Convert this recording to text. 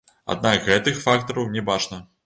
Аднак гэтых фактараў не бачна.